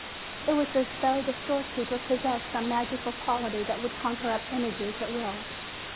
It was as though the storekeeper possessed some magical quality that could conjure up images at will.